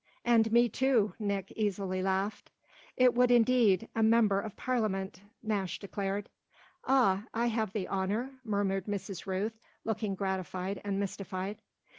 "And me too," Nick easily laughed. "It would indeed a member of Parliament!" Nash declared. "Ah, I have the honour ?" murmured Mrs. Rooth, looking gratified and mystified.